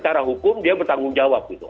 secara hukum dia bertanggung jawab gitu